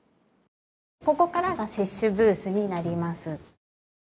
ここからが接種ブースになります。